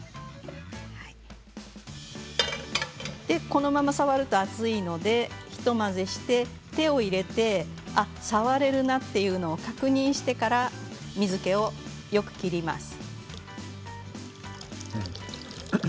このまま触ると熱いので一混ぜして手を入れてああ、触れるなというのを確認してから水けをよく切ります。